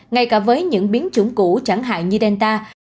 ngay cả với những biến chủng cũ chẳng hạn như delta